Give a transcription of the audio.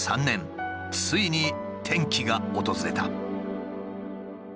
ついに転機が訪れた。